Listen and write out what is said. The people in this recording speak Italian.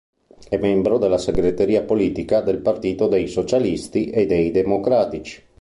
È membro della segreteria politica del Partito dei Socialisti e dei Democratici.